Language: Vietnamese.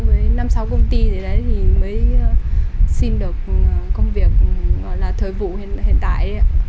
với năm sáu công ty thì mới xin được công việc là thời vụ hiện tại